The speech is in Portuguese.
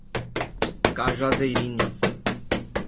Cajazeirinhas